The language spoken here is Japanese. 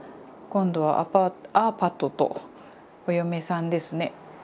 今度はアパートアーパトとお嫁さんですね。